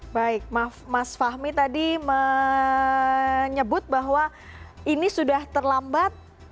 baik mas fahmi tadi menyebut bahwa ini sudah terlambat